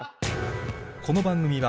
この番組は